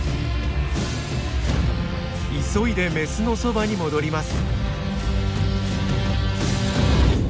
急いでメスのそばに戻ります。